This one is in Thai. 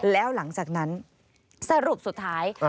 แล้วหลังจากนั้นสรุปสุดท้าย